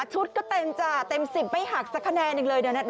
ชุดก็เต็มจ่าเต็มสิบไว้หักแสดงหน้าหนึ่งเลยนะครับ